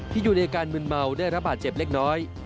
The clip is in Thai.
อยู่ในอาการมึนเมาได้รับบาดเจ็บเล็กน้อย